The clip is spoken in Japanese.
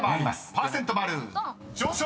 パーセントバルーン上昇！］